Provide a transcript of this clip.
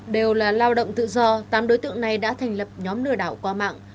đều là lao động tự do tám đối tượng này đã thành lập nhóm lừa đảo qua mạng